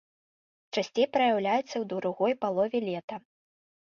Часцей праяўляецца ў другой палове лета.